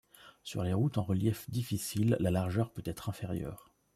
Sur les routes en relief difficile, la largeur peut être inférieure.